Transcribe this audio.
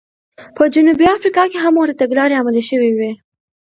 په جنوبي افریقا کې هم ورته تګلارې عملي شوې وې.